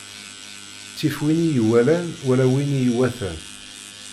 Ttif win i yi-iwalan wala win i yi-iwatan.